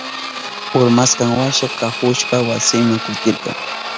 Urmashkanwasha kuhushpa wasinma kutirka.